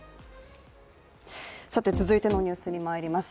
続いてのニュースにまいります。